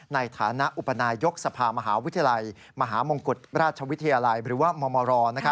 ในฐานะอุปนายกสภามหาวิทยาลัยมหามงกุฎราชวิทยาลัยหรือว่ามร